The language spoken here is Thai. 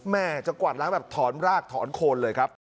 แม่จะกวาดล้างแบบถอนรากถอนโคนเลยครับ